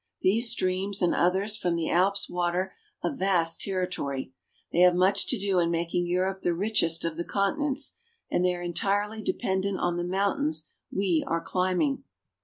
These streams and others from the Alps water a vast territory; they have much to do in making Europe the richest of the continents, and they are entirely dependent on the mountains we are climbing.